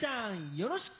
よろしく！